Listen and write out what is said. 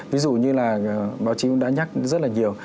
ví dụ như là báo chí cũng đã nhắc rất là nhiều